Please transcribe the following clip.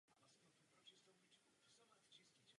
Tento motiv se také odráží na logu této distribuce.